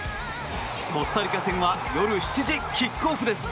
コスタリカ戦は夜７時キックオフです！